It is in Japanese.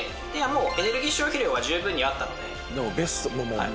もうエネルギー消費量は十分にあったのではい。